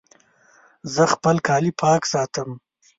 زه خپل کالي پاک ساتم.